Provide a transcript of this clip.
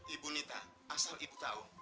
ibu nita asal ibu tahu